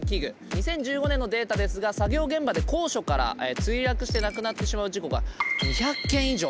２０１５年のデータですが作業現場で高所から墜落して亡くなってしまう事故が２００件以上。